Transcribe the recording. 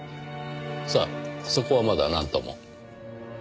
さあそこはまだなんとも。